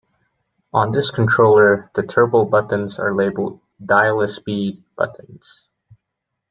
On this controller, the turbo buttons are labeled "dial-a-speed" buttons.